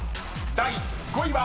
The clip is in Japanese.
第５位は］